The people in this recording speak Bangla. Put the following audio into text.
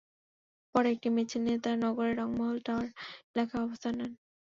পরে একটি মিছিল নিয়ে তাঁরা নগরের রংমহল টাওয়ার এলাকায় অবস্থান নেন।